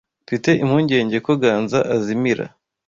Mfite impungenge ko Ganza azimira.